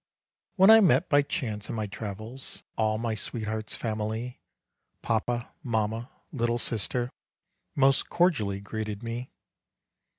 When I met by chance in my travels All my sweetheart's family, Papa, mamma, little sister Most cordially greeted me.